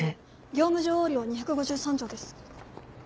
業務上横領は２５３条です。